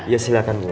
ya silakan bu